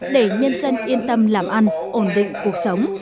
để nhân dân yên tâm làm ăn ổn định cuộc sống